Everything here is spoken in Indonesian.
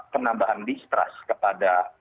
penambahan distrust kepada